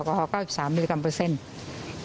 ก็ได้ตรวจแล้วก็พบว่ามีปริมาณอัลกอฮอล์๙๓มิลลิกรัมเปอร์เซ็นต์